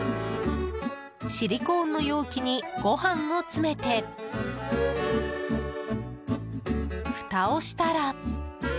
シリコーンの容器にご飯を詰めて、ふたをしたら。